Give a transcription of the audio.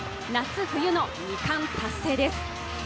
夏冬の２冠達成です。